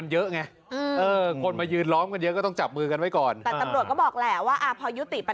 จริงใช่ไหม